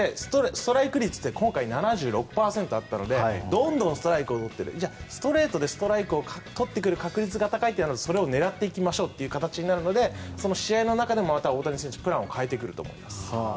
ストライク率今回７６％あったのでどんどんストライクを取っているストレートでストライクを取ってくる確率が高いとなるとそれを狙っていこうとなるので試合の中で、また大谷選手はプランを変えてくると思います。